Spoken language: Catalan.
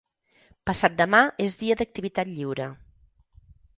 Passat-demà és dia d'activitat lliure.